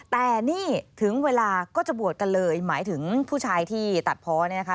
แต่นี่ถึงเวลาก็จะบวชกันเลยหมายถึงผู้ชายที่ตัดเพาะเนี่ยนะคะ